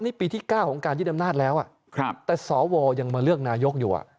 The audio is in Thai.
นี่ปีที่เก้าของการยึดอำนาจแล้วอ่ะครับแต่สอวรยังมาเลือกนายกอยู่อ่ะ